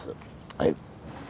はい。